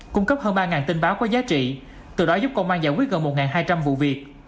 cung cấp hơn ba tin báo có giá trị từ đó giúp công an giải quyết gần một hai trăm linh vụ việc